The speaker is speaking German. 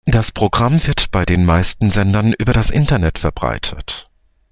Das Programm wird bei den meisten Sendern über das Internet verbreitet.